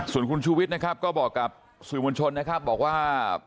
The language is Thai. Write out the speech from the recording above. ส่วนคุณชูวิทย์นะครับก็บอกกับสื่อมวลชนนะครับบอกว่า